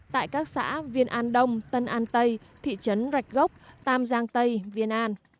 tại các xã viên an đông tân an tây thị trấn rạch gốc tam giang tây viên an